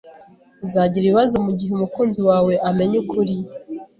Uzagira ibibazo mugihe umukunzi wawe amenye ukuri.